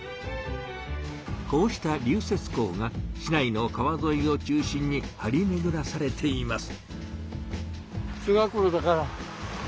こうした流雪溝が市内の川ぞいを中心にはりめぐらされています。